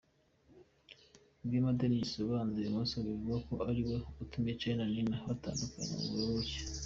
Rwema Denis ubanza ibumoso bivugwa ko ariwe utumye Chalry na Nina batandukana na Muyoboke.